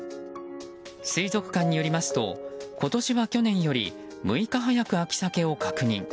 水族館によりますと今年は去年より６日早く秋サケを確認。